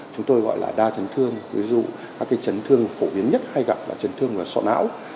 chúng tôi gọi là đa chấn thương ví dụ các chấn thương phổ biến nhất hay gặp là chấn thương và sọ não